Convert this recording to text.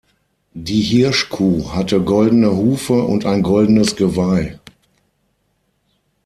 Die Hirschkuh hatte goldene Hufe und ein goldenes Geweih.